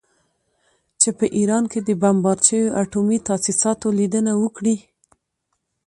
چې په ایران کې د بمبارد شویو اټومي تاسیساتو لیدنه وکړي